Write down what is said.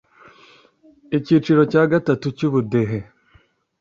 cyiciro cya gatatu cy ubudehe